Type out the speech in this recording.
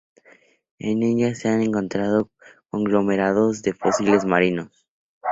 En ella se han encontrado conglomerados de fósiles marinos.